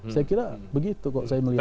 saya kira begitu kok saya melihat